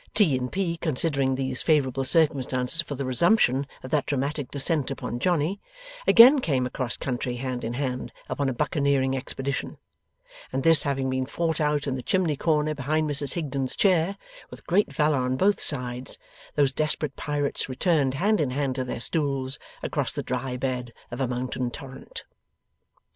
T and P considering these favourable circumstances for the resumption of that dramatic descent upon Johnny, again came across country hand in hand upon a buccaneering expedition; and this having been fought out in the chimney corner behind Mrs Higden's chair, with great valour on both sides, those desperate pirates returned hand in hand to their stools, across the dry bed of a mountain torrent.